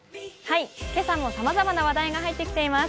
今朝もさまざまな話題が入ってきています。